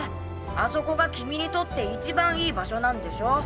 あそこが君にとって一番いい場所なんでしょ？